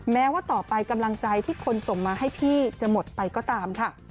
แม้ว่าต่อไปกำลังใจที่คนส่งมาให้พี่จะหมดไปก็ตามค่ะ